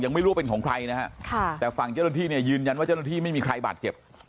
ไม่รู้ว่าเป็นของใครนะฮะค่ะแต่ฝั่งเจ้าหน้าที่เนี่ยยืนยันว่าเจ้าหน้าที่ไม่มีใครบาดเจ็บ